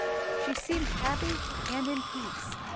She seemed happy and in peace.